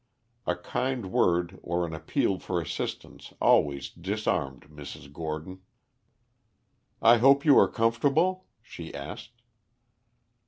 A kind word or an appeal for assistance always disarmed Mrs. Gordon. "I hope you are comfortable?" she asked.